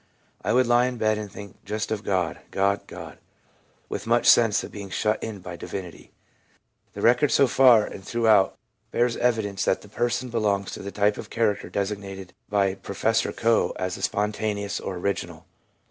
I would lie in bed and think just of God, God, God, with much sense of being shut in by divinity/ The record so far, and throughout, bears evidence that the person belongs to the type of character designated by Professor Coe as the spontaneous or original.